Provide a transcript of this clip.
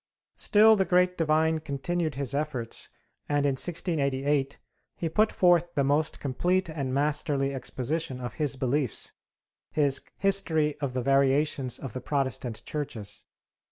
Still the great divine continued his efforts, and in 1688 he put forth the most complete and masterly exposition of his beliefs, his 'History of the Variations of the Protestant Churches.'